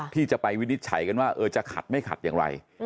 ที่จะไปวินิจฉัยกันว่าจะขัดไม่ขัดอย่างไร